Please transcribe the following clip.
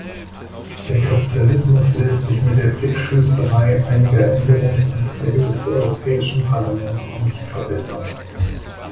Der Kapitalismus lässt sich mit der Flickschusterei einiger Änderungsanträge des Europäischen Parlaments nicht verbessern.